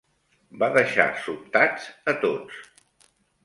Va deixar sobtats a tots.